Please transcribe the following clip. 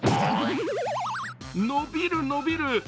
伸びる、伸びる！